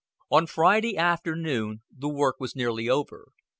On Friday afternoon the work was nearly over.